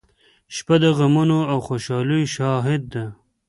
• شپه د غمونو او خوشالیو شاهد ده.